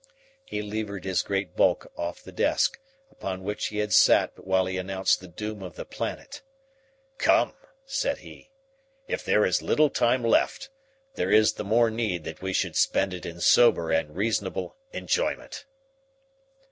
He levered his great bulk off the desk, upon which he had sat while he announced the doom of the planet. "Come," said he. "If there is little time left, there is the more need that we should spend it in sober and reasonable enjoyment."